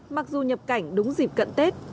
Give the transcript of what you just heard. mặc dù nhập cảnh đúng dịp cận tết